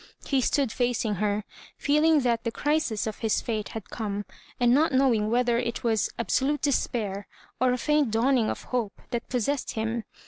He stood mcing her, feeling that the crisis of his fate had come, and not knowing whether it was ab solute despair or a faint dawning of hope that possessed him.